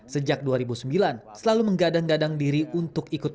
sejak dua ribu sembilan selalu menggadang gadang diri untuk ikut